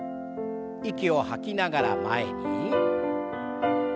息を吐きながら前に。